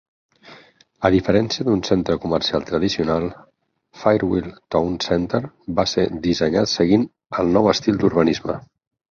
A diferència d'un centre comercial tradicional, Firewheel Town Center va ser dissenyat seguint el nou estil d'urbanisme.